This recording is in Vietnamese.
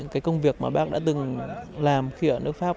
cái công việc mà bác đã từng làm khi ở nước pháp